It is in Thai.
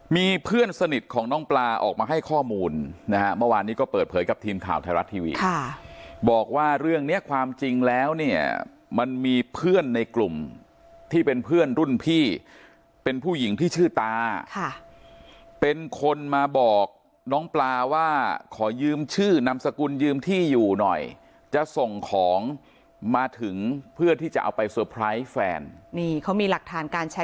มีเพื่อนสนิทของน้องปลาออกมาให้ข้อมูลนะฮะเมื่อวานนี้ก็เปิดเผยกับทีมข่าวไทยรัฐทีวีค่ะบอกว่าเรื่องเนี้ยความจริงแล้วเนี่ยมันมีเพื่อนในกลุ่มที่เป็นเพื่อนรุ่นพี่เป็นผู้หญิงที่ชื่อตาค่ะเป็นคนมาบอกน้องปลาว่าขอยืมชื่อนามสกุลยืมที่อยู่หน่อยจะส่งของมาถึงเพื่อที่จะเอาไปเซอร์ไพรส์แฟนนี่เขามีหลักฐานการแ